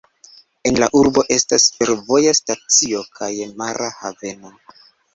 En la urbo estas fervoja stacio kaj mara haveno.